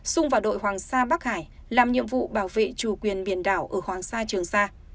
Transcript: xung vào đội hoàng sa bắc hải làm nhiệm vụ bảo vệ chủ quyền biển đảo ở hoàng sa trường sa